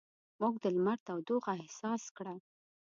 موږ د لمر تودوخه احساس کړه.